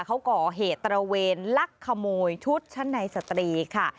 เขาก่อเหตุตระเวนลักขโมยชุดชั้นในสตรีค่ะ